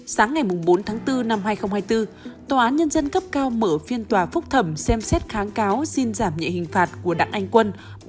sáng ngày bốn tháng bốn năm hai nghìn hai mươi bốn tòa án nhân dân cấp cao mở phiên tòa phúc thẩm xem xét kháng cáo xin giảm nhẹ hình phạt của đặng anh quân